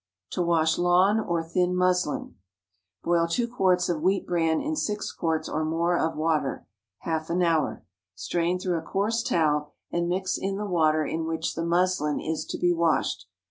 TO WASH LAWN OR THIN MUSLIN. Boil two quarts of wheat bran in six quarts, or more, of water, half an hour. Strain through a coarse towel and mix in the water in which the muslin is to be washed.